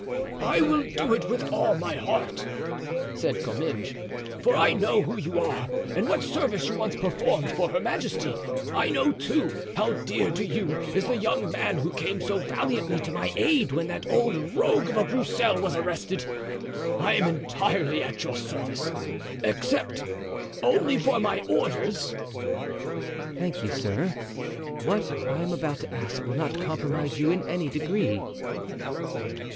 "I will do it with all my heart," said Comminges; "for I know who you are and what service you once performed for her majesty; I know, too, how dear to you is the young man who came so valiantly to my aid when that old rogue of a Broussel was arrested. I am entirely at your service, except only for my orders." "Thank you, sir; what I am about to ask will not compromise you in any degree."